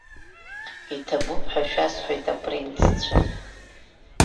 Иҭабуп ҳәа шәасҳәоит, апринццәа.